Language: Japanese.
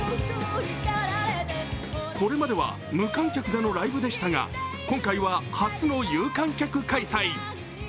これまでは無観客でのライブでしたが今回は初の有観客開催。